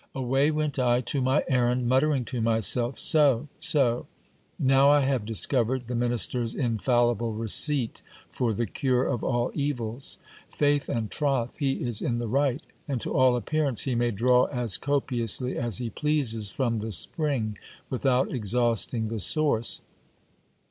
Away went I on my errand, muttering to myself — So, so ! now I have disco vered the minister's infallible receipt for the cure of all evils. Faith and troth, he is in the right ; and to all appearance he may draw as copiously as he pleases from the spring, without exhausting the source.